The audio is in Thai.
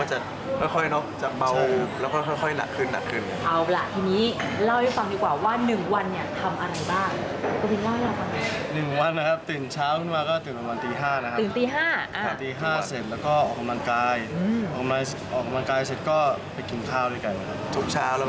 ๑วันตื่นเช้าขึ้นมาก็ตื่นประมาณตี๕นะครับ